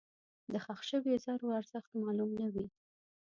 دښخ شوي زرو ارزښت معلوم نه و.